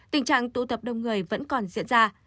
tình trạng tụ tập đông người vẫn còn diễn ra